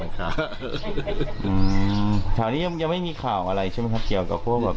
ข่าวนี้ยังไม่มีข่าวอะไรใช่ไหมครับเกี่ยวกับพวกแบบ